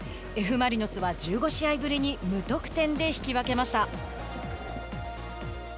Ｆ・マリノスは１５試合ぶりに無得点で引き分けました。